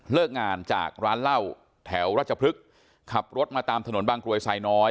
งานจากร้านเหล้าแถวราชพฤกษ์ขับรถมาตามถนนบางกรวยไซน้อย